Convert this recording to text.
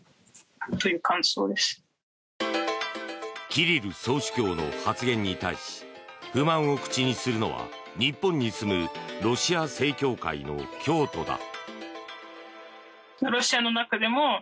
キリル総主教の発言に対し不満を口にするのは日本に住むロシア正教会の教徒だ。